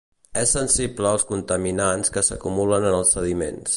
És sensible als contaminants que s'acumulen en els sediments.